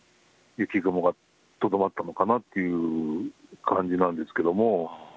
雪雲がとどまったのかなという感じなんですけども。